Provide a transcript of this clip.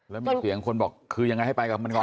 แล้วมีเสียงคนบอกคือยังไงให้ไปกับมันก่อน